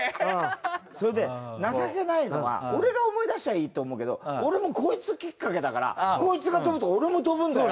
それで情けないのは俺が思い出しゃいいと思うけど俺もコイツきっかけだからコイツが飛ぶと俺も飛ぶんだよ。